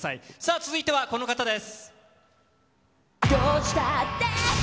続いてはこの方です。